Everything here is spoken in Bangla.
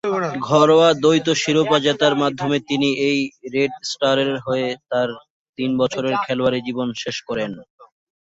ঘরোয়া দ্বৈত শিরোপা জেতার মাধ্যমে তিনি এই রেড স্টারের হয়ে তার তিন বছরের খেলোয়াড়ী জীবন শেষ করেন।